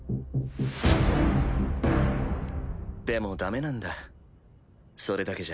でもダメなんだそれだけじゃ。